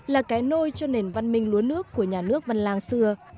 là cái nôi cho nền văn minh lúa nước của nhà nước văn lang xưa